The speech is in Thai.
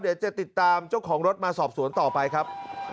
เดี๋ยวจะติดตามเจ้าของรถมาสอบสวนต่อไปครับ